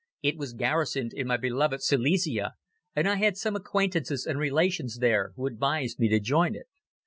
It was garrisoned in my beloved Silesia and I had some acquaintances and relations there, who advised me to join it.